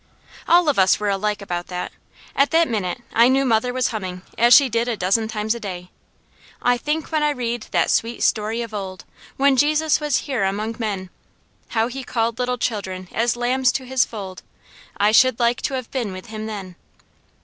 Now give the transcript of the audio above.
All of us were alike about that. At that minute I knew mother was humming, as she did a dozen times a day: "I think when I read that sweet story of old, When Jesus was here among men How He called little children as lambs to His fold, I should like to have been with Him then."